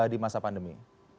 di masa pandemi